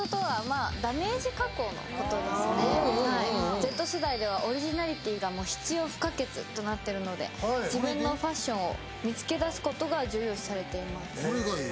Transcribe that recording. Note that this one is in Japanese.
Ｚ世代ではオリジナリティーが必要不可欠となっているので自分のファッションを見つけ出すことが重要視されています。